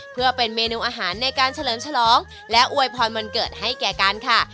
เพื่อเป็นเมนูอาหารในการเฉลิมฉลองและอวยพรวันเกิดให้แก่กันค่ะ